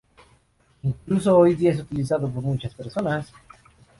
Incluso hoy día es utilizado por muchas personas.